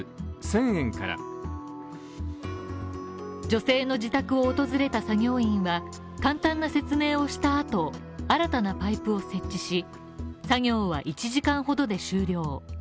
女性の自宅を訪れた作業員は簡単な説明をした後、新たなパイプを設置し、作業は１時間ほどで終了。